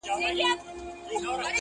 له موږکه ځان ورک سوی دی غره دی.